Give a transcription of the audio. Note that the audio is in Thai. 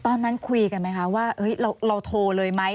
ตอนนั้นคุยกันไหมคะว่าเราโทรเลยไหม